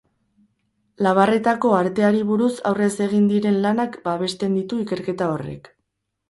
Labarretako arteari buruz aurrez egin diren lanak babesten ditu ikerketa horrek.